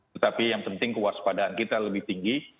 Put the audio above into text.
tetapi yang penting kewaspadaan kita lebih tinggi